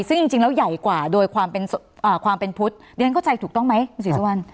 ซึ่งจริงแล้วใหญ่กว่าโดยความเป็นพุทธเรียนเข้าใจถูกต้องไหมคุณศรีสุวรรณ